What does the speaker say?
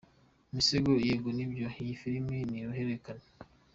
Misago : Yego ni byo, iyi filimi ni uruhererekane.